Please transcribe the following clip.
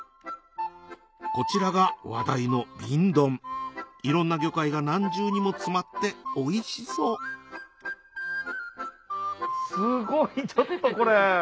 こちらが話題の瓶ドンいろんな魚介が何重にも詰まっておいしそうすごいちょっとこれ。